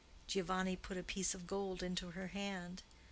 Giovanni put a piece of gold into her hand.